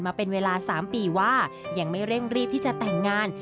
มาเป็นเวลา๓ปีว่ายังไม่เร่งรีบที่จะแต่งงาน